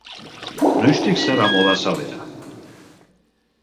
Noiztik zara moda zalea?